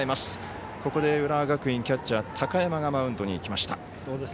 ここで浦和学院キャッチャー高山がマウンドに行きました。